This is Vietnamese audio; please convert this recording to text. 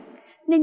nền nhiệt trên cảng